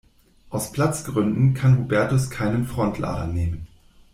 Aus Platzgründen kann Hubertus keinen Frontlader nehmen.